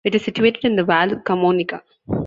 It is situated in the Val Camonica.